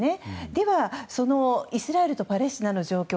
では、そのイスラエルとパレスチナの状況